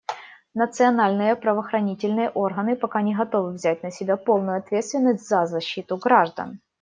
Национальные правоохранительные органы пока не готовы взять на себя полную ответственность за защиту граждан.